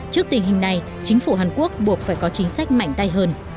trước tình hình này chính phủ hàn quốc buộc phải có chính sách mạnh tay hơn